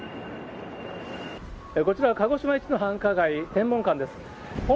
こちら、鹿児島一の繁華街、天文館です。